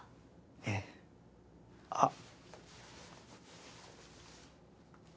ええあっ